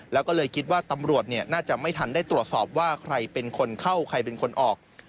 แล้วก็เลยคิดว่าตำรวจน่าจะไม่ทันได้ตรวจสอบว่าใครเป็นคนเข้าใครเป็นคนออก